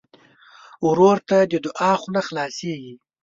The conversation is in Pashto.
ورور ته د دعا خوله خلاصيږي.